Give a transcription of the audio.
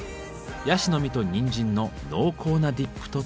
ヤシの実とにんじんの濃厚なディップとともに。